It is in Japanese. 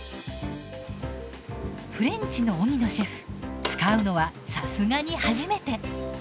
フレンチの荻野シェフ使うのはさすがに初めて。